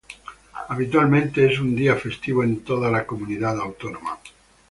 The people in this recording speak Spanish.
Habitualmente es un día festivo en toda la Comunidad Autónoma.